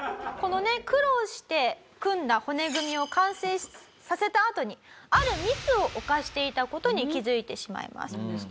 このね苦労して組んだ骨組みを完成させたあとにあるミスを犯していた事に気づいてしまいます。